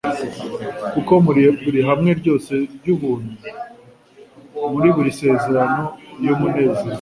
Kuko muri buri hame ryose ry'ubuntu, muri buri sezerano iy'umunezero,